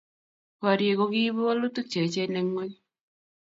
Borie ko kiibu wolutik che echeen eng ng'ony.